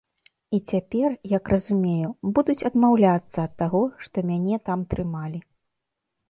І цяпер, як разумею, будуць адмаўляцца ад таго, што мяне там трымалі.